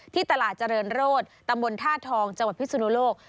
ที่ตลาดเจริญโรธตำบลท่าทองจังหวัดพิสุนุโลก